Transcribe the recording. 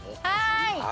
はい！